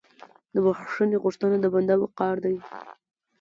د بخښنې غوښتنه د بنده وقار دی.